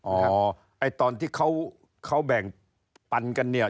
ไอ้ตอนที่เขาแบ่งปันกันเนี่ย